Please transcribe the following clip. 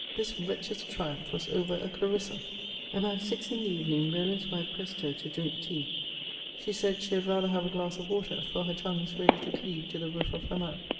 This wretch's triumph was over a Clarissa! About six in the evening, Rowland's wife pressed her to drink tea. She said, she had rather have a glass of water; for her tongue was ready to cleave to the roof of her mouth.